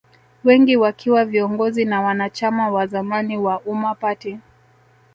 Wengi wakiwa viongozi na wanachama wa zamani wa Umma Party